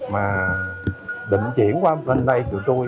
mà định chuyển qua bên đây